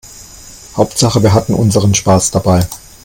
Hauptsache wir hatten unseren Spaß dabei.